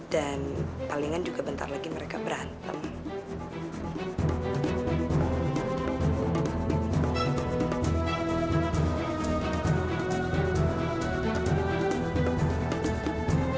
kalau banyak kesalnya kami pasti kalau nunggu nanti terjumpa